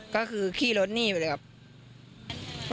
ก็คือขี่รถหนีไปเลยครับ